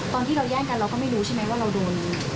ตอนที่เราแย่งกันเราก็ไม่รู้ใช่ไหมว่าเราโดน